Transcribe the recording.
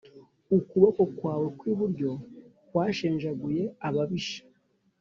Ukuboko kwawe kw’iburyo kwashenjaguye ababisha